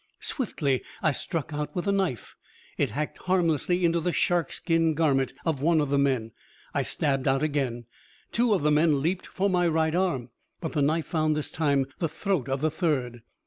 Swiftly I struck out with the knife. It hacked harmlessly into the shark skin garment of one of the men, and I stabbed out again. Two of the men leaped for my right arm, but the knife found, this time, the throat of the third.